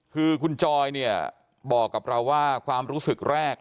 คือคุณจอยเนี่ยบอกกับเราว่าความรู้สึกแรก